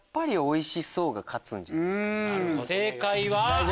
正解は。